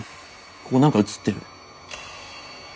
ここ何か映ってる。